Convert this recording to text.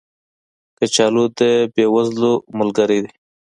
کچالو د بې وزلو ملګری دی